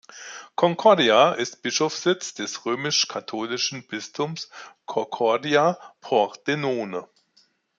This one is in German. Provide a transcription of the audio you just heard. Concordia ist Bischofssitz des römisch-katholischen Bistums Concordia-Pordenone.